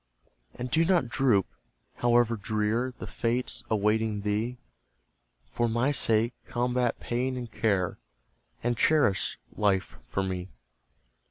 And do not droop! however drear The fate awaiting thee; For MY sake combat pain and care, And cherish life for me!